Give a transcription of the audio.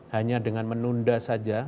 hanya dengan menunda saja